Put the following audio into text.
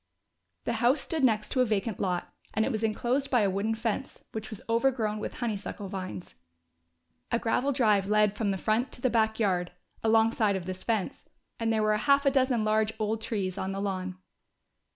The house stood next to a vacant lot, and it was enclosed by a wooden fence, which was overgrown with honeysuckle vines. A gravel drive led from the front to the back yard, alongside of this fence, and there were half a dozen large old trees on the lawn.